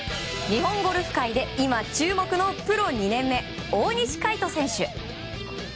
日本ゴルフ界で今注目のプロ２年目、大西魁斗選手。